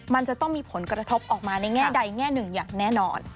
มันจะต้องมีผลกระทบออกมาในแง่ใดแง่หนึ่งอย่างแน่นอน